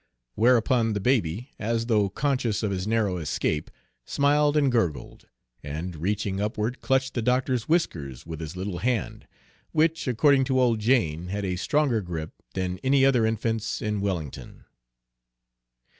Whereupon the baby, as though conscious of his narrow escape, smiled and gurgled, and reaching upward clutched the doctor's whiskers with his little hand, which, according to old Jane, had a stronger grip than any other infant's in Wellington.